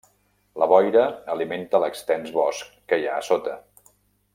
La boira alimenta l'extens bosc que hi ha a sota.